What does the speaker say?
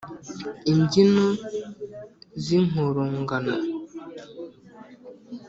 imbyino z'inkorongano